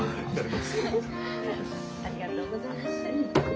ありがとうございます。